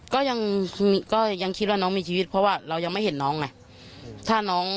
ก็ยังคิดว่าน้องมีชีวิตเพราะว่าเรายังไม่เห็นน้องไง